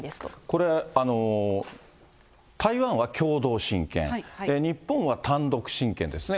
これ、台湾は共同親権、日本は単独親権ですね。